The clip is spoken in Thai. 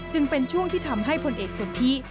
จึงเป็นช่วงที่ทำให้ผลเอกสนทิ